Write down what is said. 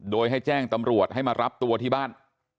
โดยให้แจ้งตำรวจให้มารับตัวที่บ้าน